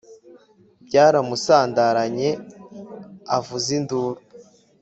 byaramusandaranye avuza induru